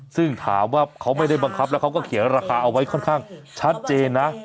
ซึ่งถามว่าเขาไม่ได้บังคับแล้วเขาก็เขียนราคาเอาไว้ค่อนข้างชัดเจนนะ